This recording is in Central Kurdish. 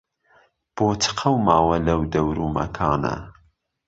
بۆ چ قهوماوه لهو دهور و مهکانه